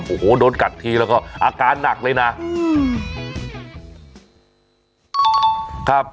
โอ้โหโดนกัดทีแล้วก็อาการหนักเลยนะ